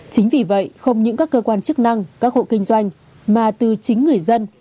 chính vì vậy không những các cơ quan chức năng các hộ kinh doanh mà từ chính người dân